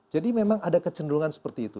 jadi memang ada kecenderungan seperti itu